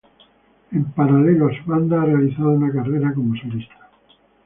En paralelo a su banda, ha realizado una carrera como solista.